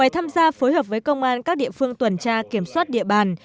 tham gia phối hợp với công an các địa phương tuần tra kiểm soát địa bàn